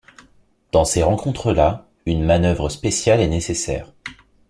Dans ces rencontres-là, une manœuvre spéciale est nécessaire.